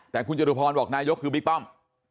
แต่คุณจตุพรบอกนายกคือบิ๊กป้อม